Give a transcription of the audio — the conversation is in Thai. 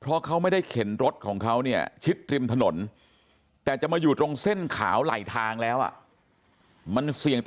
เพราะเขาไม่ได้เข็นรถของเขาเนี่ยชิดริมถนนแต่จะมาอยู่ตรงเส้นขาวไหลทางแล้วมันเสี่ยงต่อ